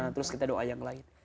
terus kita doa yang lain